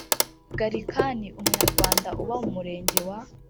Gallican umunyarwanda uba mu murenge wa